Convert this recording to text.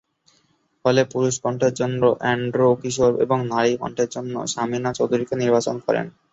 ফলে পুরুষ কণ্ঠের জন্য এন্ড্রু কিশোর এবং নারী কণ্ঠের জন্য সামিনা চৌধুরীকে নির্বাচন করেন।